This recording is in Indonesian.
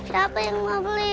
siapa yang mau beli